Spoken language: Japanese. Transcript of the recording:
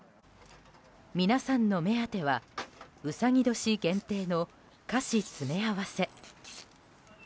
皆さんの目当てはうさぎ年限定の菓子詰め合わせ。